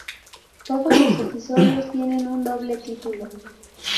Todos los episodios tienen un doble título.